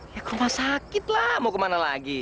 ya ke rumah sakit lah mau kemana lagi